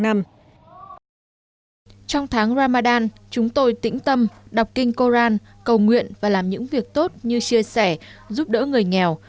trong tháng ramadan chúng tôi tĩnh tâm đọc kinh koran cầu nguyện và làm những việc tốt như chia sẻ giúp đỡ người nghèo